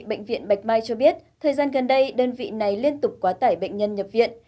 bệnh viện bạch mai cho biết thời gian gần đây đơn vị này liên tục quá tải bệnh nhân nhập viện